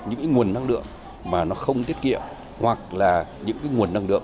những nguồn năng lượng mà nó không tiết kiệm hoặc là những cái nguồn năng lượng